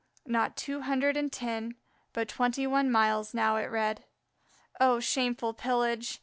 Not two hundred and ten, but twenty one miles it now read. Oh, shameful pillage!